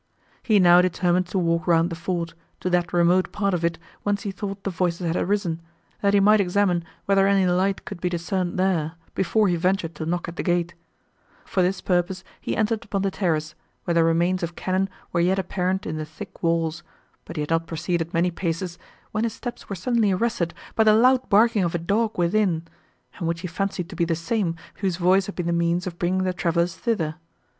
He now determined to walk round the fort, to that remote part of it, whence he thought the voices had arisen, that he might examine whether any light could be discerned there, before he ventured to knock at the gate; for this purpose, he entered upon the terrace, where the remains of cannon were yet apparent in the thick walls, but he had not proceeded many paces, when his steps were suddenly arrested by the loud barking of a dog within, and which he fancied to be the same, whose voice had been the means of bringing the travellers thither.